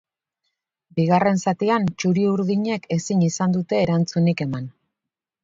Bigarren zatian txuri-urdinek ezin izan dute erantzunik eman.